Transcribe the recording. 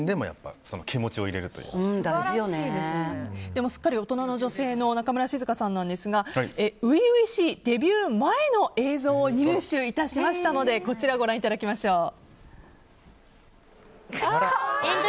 でも、すっかり大人の女性の中村静香さんなんですが初々しいデビュー前の映像を入手致しましたのでこちら、ご覧いただきましょう。